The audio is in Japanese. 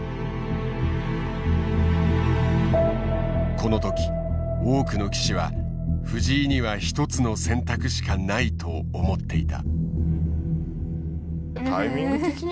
この時多くの棋士は藤井には一つの選択しかないと思っていた。